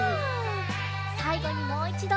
さいごにもういちど。